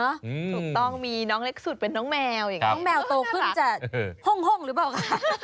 ถูกต้องมีน้องเล็กสุดเป็นน้องแมวอย่างนี้น้องแมวโตขึ้นจากห้องหรือเปล่าคะ